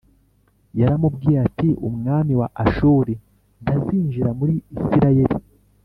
yaramubwiye ati umwami wa Ashuri ntazinjira muri isirayeli